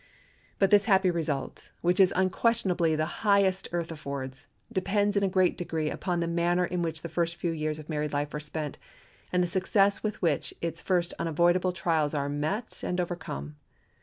But this happy result, which is unquestionably the highest earth affords, depends in a great degree upon the manner in which the first few years of married life are spent, and the success with which its first unavoidable trials are met and overcome.